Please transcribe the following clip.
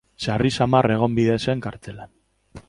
Sarri samar egon bide zen kartzelan.